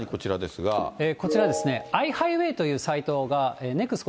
こちらですね、アイハイウェイというサイトが、ＮＥＸＣＯ